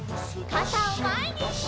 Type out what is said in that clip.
かたをまえに！